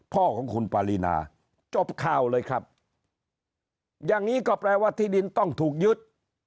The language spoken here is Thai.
พ่อของคุณปารีนาจบข่าวเลยครับอย่างนี้ก็แปลว่าที่ดินต้องถูกยึด